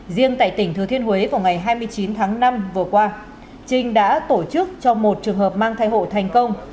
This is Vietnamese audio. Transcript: riêng tại tỉnh thừa thiên huế vào ngày hai mươi chín tháng năm vừa qua trinh đã tổ chức cho một trường hợp mang thai hộ thành công